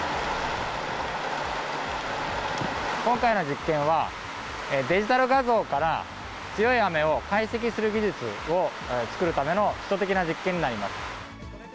今回の実験は、デジタル画像から強い雨を解析する技術を作るための基礎的な実験になります。